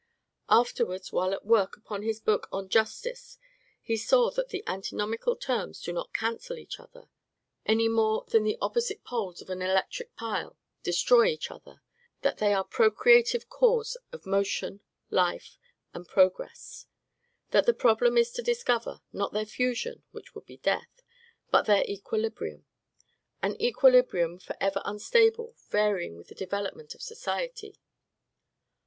Afterwards, while at work upon his book on "Justice," he saw that the antinomical terms do not cancel each other, any more than the opposite poles of an electric pile destroy each other; that they are the procreative cause of motion, life, and progress; that the problem is to discover, not their fusion, which would be death, but their equilibrium, an equilibrium for ever unstable, varying with the development of society.